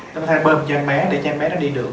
chúng ta có thể bơm cho em bé để cho em bé nó đi được